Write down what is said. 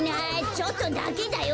ちょっとだけだよ。